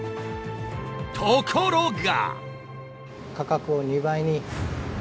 ところが。